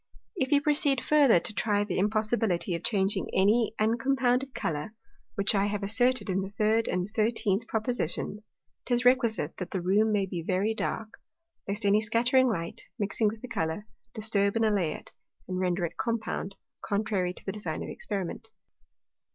If you proceed further to try the impossibility of changing any uncompounded Colour (which I have asserted in the third and thirteenth Propositions,) 'tis requisite that the Room may be very dark, lest any scattering light, mixing with the Colour, disturb and allay it, and render it compound, contrary to the design of the Experiment.